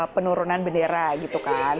penurunan bendera gitu kan